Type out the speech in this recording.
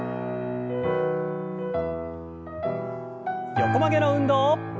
横曲げの運動。